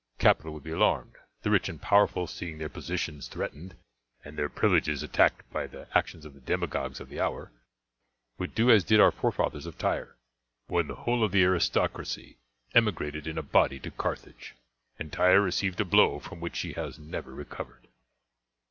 Capital would be alarmed; the rich and powerful, seeing their possessions threatened and their privileges attacked by the action of the demagogues of the hour, would do as did our forefathers of Tyre, when the whole of the aristocracy emigrated in a body to Carthage, and Tyre received a blow from which she has never recovered."